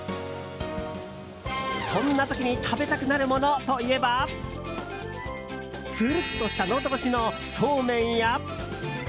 そんな時に食べたくなるものといえばつるっとしたのど越しのそうめんや。